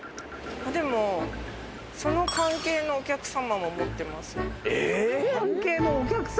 でも、その関係のお客さんも持ってます。